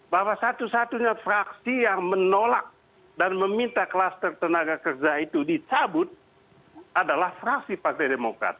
bahwa satu satunya fraksi yang menolak dan meminta klaster tenaga kerja itu dicabut adalah fraksi partai demokrat